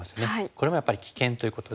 これもやっぱり危険ということで。